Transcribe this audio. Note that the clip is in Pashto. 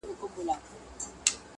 لطفاً د نفاق پر ځای د میني